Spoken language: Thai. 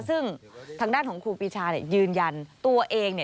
ซึ่งทางด้านของครูปีชายืนยันตัวเอง